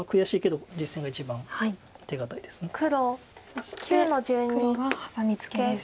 そして黒がハサミツケです。